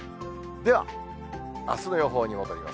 では、あすの予報に戻ります。